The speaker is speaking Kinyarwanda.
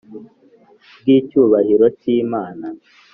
Bw icyubahiro cy imana